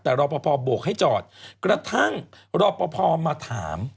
แต่รอประพอบกให้จอดกระทั่งรอประพอมาถาม